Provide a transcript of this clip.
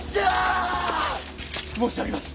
申し上げます。